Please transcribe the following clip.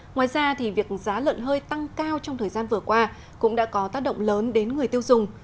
ngoài ra việc giá lợn hơi tăng cao trong thời gian vừa qua cũng đã có tác động lớn đến người tiêu dùng